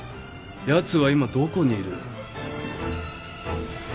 やつは今どこにいる？